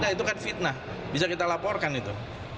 itu kan fitnah bisa kita laporkan itu